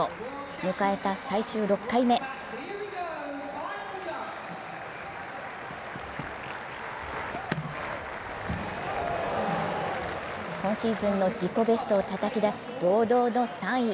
迎えた最終６回目今シーズンの自己ベストをたたき出し、堂々の３位。